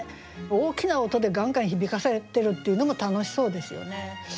大きな音でガンガン響かせてるっていうのも楽しそうですよね。